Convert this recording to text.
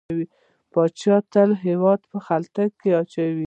پاچا تل هيواد په خطر کې اچوي .